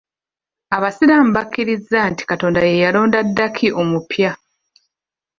Abasiraamu bakkiriza nti Katonda ye yalonda Kadhi omupya.